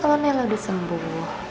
kayanya kalau nella disembuh